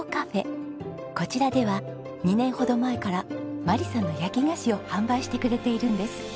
こちらでは２年ほど前から眞理さんの焼き菓子を販売してくれているんです。